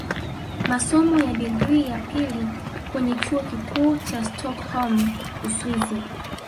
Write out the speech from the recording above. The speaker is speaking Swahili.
Masomo ya digrii ya pili kwenye Chuo Kikuu cha Stockholm Uswizi